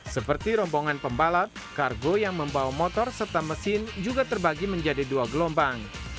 seperti rombongan pembalap kargo yang membawa motor serta mesin juga terbagi menjadi dua gelombang